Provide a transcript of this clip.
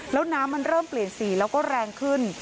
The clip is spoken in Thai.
แล้วน้ำมันเริ่มเปลี่ยนสีแล้วก็แรงขึ้น